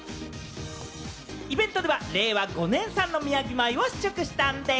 イベントでは令和５年産の宮城米を試食したんでぃす。